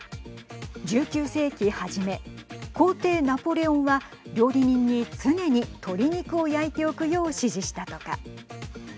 １９世紀はじめ皇帝ナポレオンは料理人に常に鶏肉を焼いておくよう指示したとか。